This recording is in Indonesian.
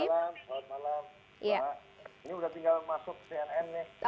selamat malam ini sudah tinggal masuk tkn nih